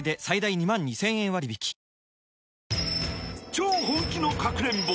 ［超本気のかくれんぼ。